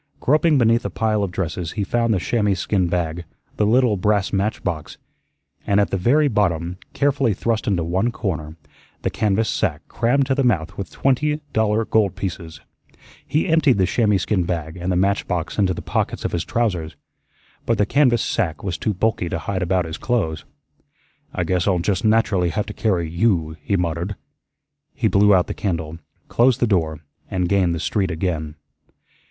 Groping beneath a pile of dresses he found the chamois skin bag, the little brass match box, and, at the very bottom, carefully thrust into one corner, the canvas sack crammed to the mouth with twenty dollar gold pieces. He emptied the chamois skin bag and the matchbox into the pockets of his trousers. But the canvas sack was too bulky to hide about his clothes. "I guess I'll just naturally have to carry YOU," he muttered. He blew out the candle, closed the door, and gained the street again.